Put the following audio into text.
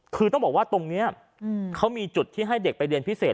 คือต้องบอกว่าตรงนี้เขามีจุดที่ให้เด็กไปเรียนพิเศษ